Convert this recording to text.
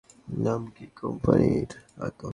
নাম কী কোম্পানির?